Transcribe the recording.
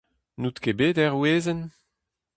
N'out ket bet er wezenn ?